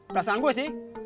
perasaan gua sih